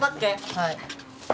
はい。